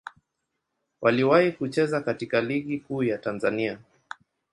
Waliwahi kucheza katika Ligi Kuu ya Tanzania.